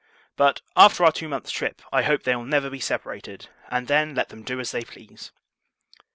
But, after our two months trip, I hope, they will never be separated; and, then, let them do as they please.